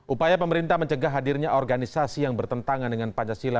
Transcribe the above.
upaya pemerintah mencegah hadirnya organisasi yang bertentangan dengan pancasila